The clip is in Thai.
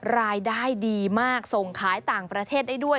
รายได้ดีมากส่งขายต่างประเทศได้ด้วย